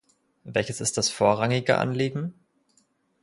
Welches ist das vorrangige Anliegen?